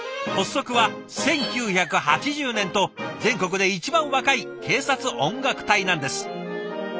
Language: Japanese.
発足は１９８０年と全国で一番若い警察音楽隊なんです。